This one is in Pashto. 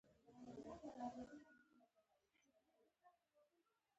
خلک د دې ګرانو غنمو د اخیستلو توان نلري